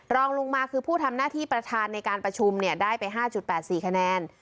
รองลงมาคือผู้ทำหน้าที่ประธานในการประชุมได้ไป๕๘๔คะแนน